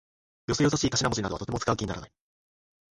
よそよそしい頭文字などはとても使う気にならない。